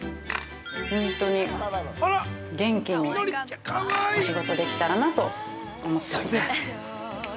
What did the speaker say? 本当に元気にお仕事できたらなと思っています。